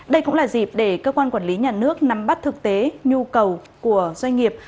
đây cũng là dịp để cơ quan quản lý nhà nước nắm bắt thực tế nhu cầu của doanh nghiệp